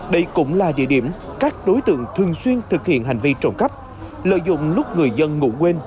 đây cũng là địa điểm các đối tượng thường xuyên thực hiện hành vi trộm cắp lợi dụng lúc người dân ngủ quên